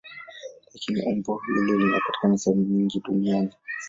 Lakini umbo hili linapatikana sehemu nyingi duniani.